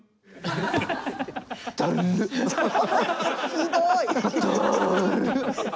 ひどい。